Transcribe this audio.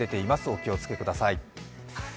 お気をつけください。